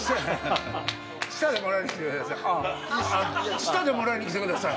舌でもらいにきてください。